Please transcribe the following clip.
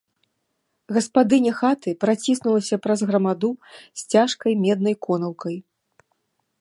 Гаспадыня хаты праціснулася праз грамаду з цяжкай меднай конаўкай.